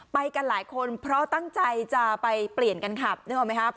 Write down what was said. ไปกันหลายคนเพราะตั้งใจจะไปเปลี่ยนกันขับนึกออกไหมครับ